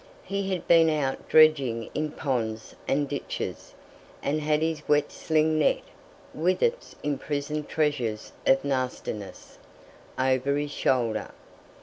He had been out dredging in ponds and ditches, and had his wet sling net, with its imprisoned treasures of nastiness, over his shoulder.